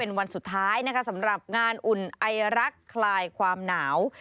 เป็นวันสุดท้ายนะคะสำหรับงานอุ่นไอรักคลายความหนาว